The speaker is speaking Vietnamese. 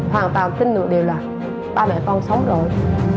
hoàn toàn tin được điều là ba mẹ con sống rồi